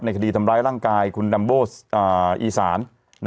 คดีทำร้ายร่างกายคุณดัมโบอีสาน